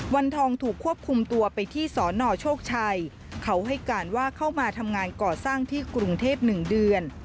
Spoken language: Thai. วันทองถูกควบคุมตัวไปที่สนโชคชัยเขาให้การว่าเข้ามาทำงานก่อสร้างที่กรุงเทพ๑เดือน